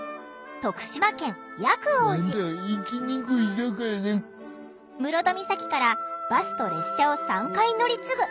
徳島県室戸岬からバスと列車を３回乗り継ぐ。